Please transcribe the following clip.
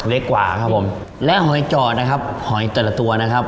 เล็กกว่าครับผมและหอยจอดนะครับหอยแต่ละตัวนะครับ